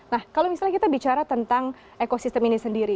nah kalau misalnya kita bicara tentang ekosistem ini sendiri